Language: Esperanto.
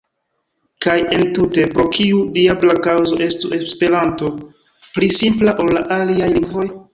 Kaj entute: Pro kiu diabla kaŭzo estu Esperanto pli simpla ol la aliaj lingvoj?